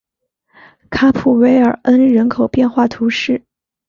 卡普韦尔恩人口变化图示